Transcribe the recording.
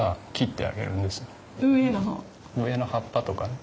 上の葉っぱとかね。